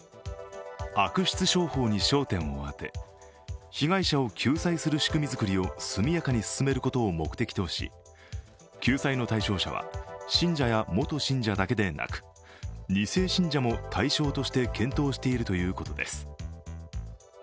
悪質商法に焦点を当て、被害者を救済する仕組みづくりを速やかに進めることを目的とし救済の対象者は信者や元信者だけでなく、２世信者も対象として検討しているということです。